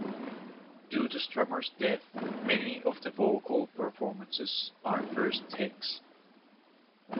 Due to Strummer's death, many of the vocal performances are first takes.